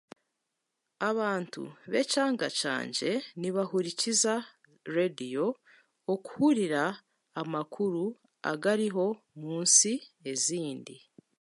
Abantu b'ekyanga kyangye nibahurikiza reediyo, okuhurira amakuru agariho omunsi ezindi.